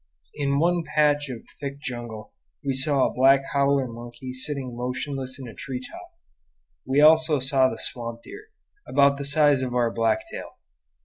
In one patch of thick jungle we saw a black howler monkey sitting motionless in a tree top. We also saw the swamp deer, about the size of our blacktail.